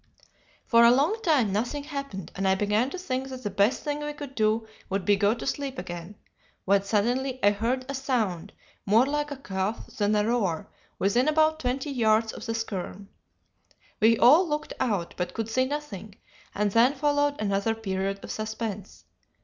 "For a long time nothing happened, and I began to think that the best thing we could do would be to go to sleep again, when suddenly I heard a sound more like a cough than a roar within about twenty yards of the skerm. We all looked out, but could see nothing; and then followed another period of suspense.